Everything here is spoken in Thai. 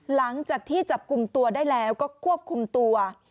หลังจากที่จับกลุ่มตัวได้แล้วก็ควบคุมตัว